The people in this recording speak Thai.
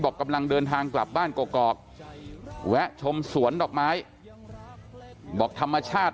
กำลังเดินทางกลับบ้านกอกแวะชมสวนดอกไม้บอกธรรมชาติ